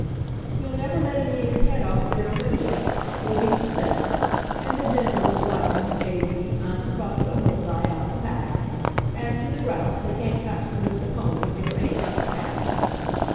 "Ye'll never let him eat his head off there a' the winter! He'll be to sell. And the gentles'll ride him, may be, ance across the hillside, out and back. As to the grouse, they can't cotch them with the pownie, for there ain't none to cotch."